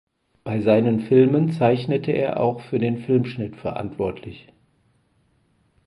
Bei seinen Filmen zeichnete er auch für den Filmschnitt verantwortlich.